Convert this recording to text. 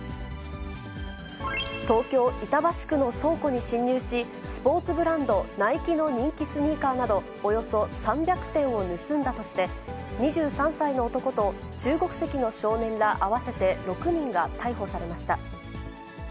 東京・板橋区の倉庫に侵入し、スポーツブランド、ナイキの人気スニーカーなど、およそ３００点を盗んだとして、２３歳の男と中国籍の少年ら合わせて６人が逮捕されました。